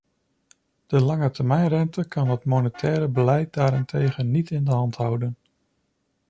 De langetermijnrente kan het monetair beleid daarentegen niet in de hand houden.